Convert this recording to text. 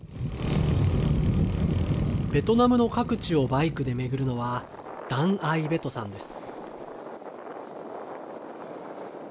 ベトナムの各地をバイクで巡るのは、ダン・アイ・ベトさんです。